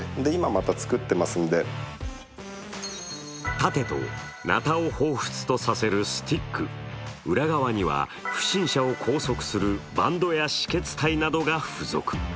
盾と、なたをほうふつとさせるスティック、裏側には、不審者を拘束するバンドや止血帯などが付属。